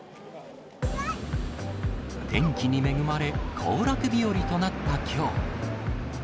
天気に恵まれ、行楽日和となったきょう。